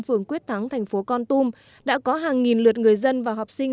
phường quyết thắng thành phố con tum đã có hàng nghìn lượt người dân và học sinh